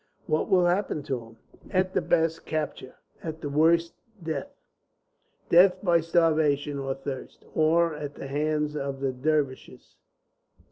"What will happen to him?" "At the best, capture; at the worst, death. Death by starvation, or thirst, or at the hands of the Dervishes.